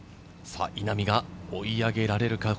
稲見が追い上げられるか。